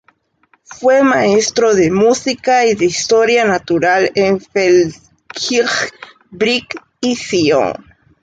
Fue maestro de música y de historia natural, en Feldkirch, Brig y Sion.